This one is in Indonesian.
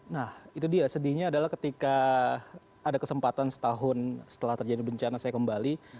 nah itu dia sedihnya adalah ketika ada kesempatan setahun setelah terjadi bencana saya kembali